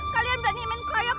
kalian berani main kue yuk